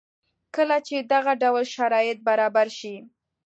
کله چې دغه ډول شرایط برابر شي